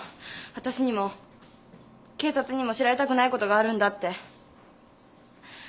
わたしにも警察にも知られたくないことがあるんだって。